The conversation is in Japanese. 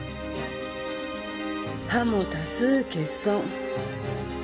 歯も多数欠損。